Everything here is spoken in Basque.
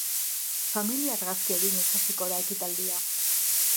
Familia argazkia eginez hasiko da ekitaldia.